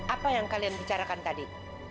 apa yang kalian bicarakan tadi